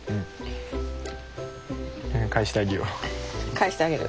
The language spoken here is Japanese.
かえしてあげる？